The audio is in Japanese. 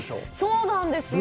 そうなんですよ。